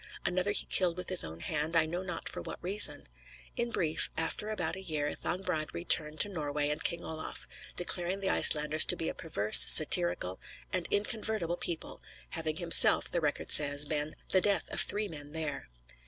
Another he killed with his own hand, I know not for what reason. In brief, after about a year, Thangbrand returned to Norway and King Olaf, declaring the Icelanders to be a perverse, satirical, and inconvertible people, having himself, the record says, been "the death of three men there."